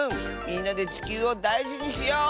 みんなでちきゅうをだいじにしよう。